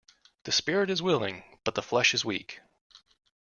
The spirit is willing but the flesh is weak.